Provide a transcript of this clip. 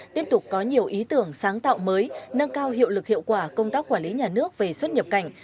tiếp tục có nhiều ý tưởng sáng tạo mới nâng cao hiệu lực hiệu quả công tác quản lý nhà nước về xuất nhập cảnh